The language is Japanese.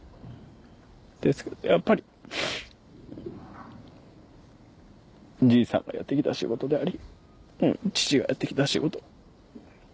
ですけどやっぱりじいさんがやって来た仕事であり父がやって来た仕事。